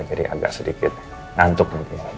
jadi agak sedikit ngantuk